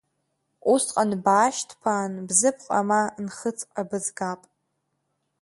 Усҟан баашьҭԥаан Бзыԥҟа ма Нхыҵҟа бызгап.